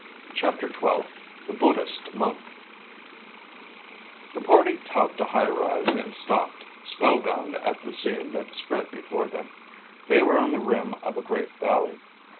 CHAPTER XII The Buddhist Monk The party topped a high rise and stopped, spellbound at the scene that spread before them. They were on the rim of a great valley.